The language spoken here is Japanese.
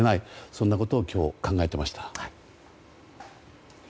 そんなことを今日考えていました。